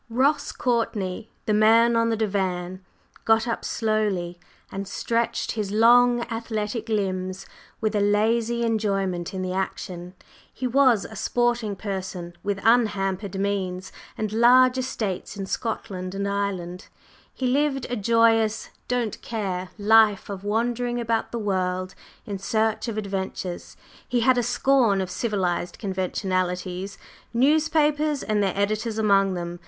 Ross Courtney, the man on the divan, got up slowly and stretched his long athletic limbs with a lazy enjoyment in the action. He was a sporting person with unhampered means and large estates in Scotland and Ireland; he lived a joyous, "don't care" life of wandering about the world in search of adventures, and he had a scorn of civilized conventionalities newspapers and their editors among them.